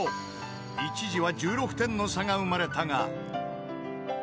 ［一時は１６点の差が生まれたが］